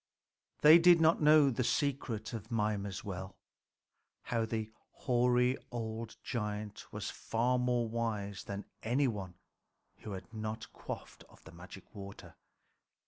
They did not know the secret of Mimer's well, how the hoary old giant was far more wise than any one who had not quaffed of the magic water.